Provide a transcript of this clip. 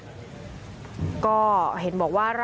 ผมยังอยากรู้ว่าว่ามันไล่ยิงคนทำไมวะ